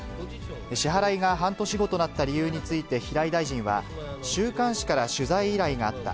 支払いが半年後となった理由について、平井大臣は、週刊誌から取材依頼があった。